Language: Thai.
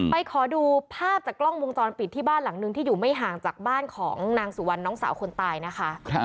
ขอดูภาพจากกล้องวงจรปิดที่บ้านหลังนึงที่อยู่ไม่ห่างจากบ้านของนางสุวรรณน้องสาวคนตายนะคะ